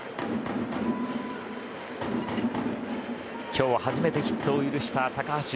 今日初めてヒットを許した高橋。